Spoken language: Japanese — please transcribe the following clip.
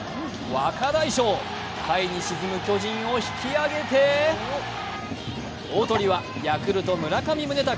若大将、下に沈む巨人を引き上げて大トリはヤクルト・村上宗隆。